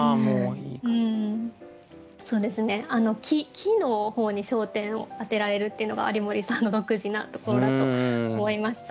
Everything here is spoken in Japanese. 木の方に焦点をあてられるっていうのが有森さんの独自なところだと思いました。